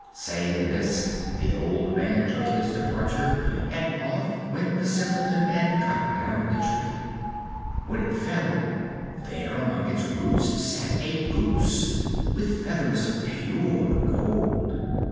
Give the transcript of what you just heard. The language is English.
Saying this the old man took his departure, and off went the Simpleton and cut down the tree. When it fell, there among its roots sat a goose, with feathers of pure gold.